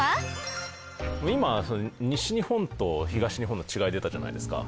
今西日本と東日本の違い出たじゃないですか。